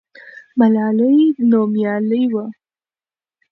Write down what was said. ملالۍ نومیالۍ وه.